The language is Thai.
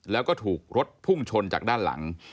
แล้วก็ถูกรถพุ่งชนจากด้านหลัง